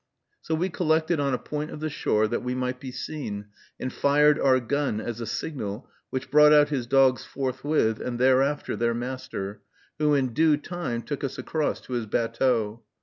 So we collected on a point of the shore, that we might be seen, and fired our gun as a signal, which brought out his dogs forthwith, and thereafter their master, who in due time took us across in his batteau.